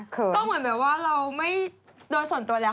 ก็เหมือนว่าเราโดนส่วนตัวแล้ว